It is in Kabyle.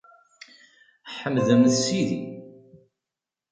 Ḥemdemt Sidi!